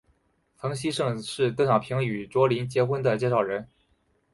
曾希圣是邓小平与卓琳结婚的介绍人。